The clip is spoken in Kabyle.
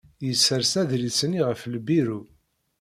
Yessers adlis-nni ɣef lbiru.